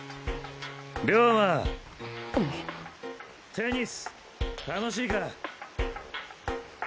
テニス楽しいか？